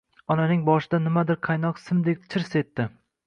Onaning boshida nimadir qaynoq simdek “chirs” etdi…